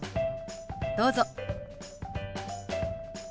どうぞ。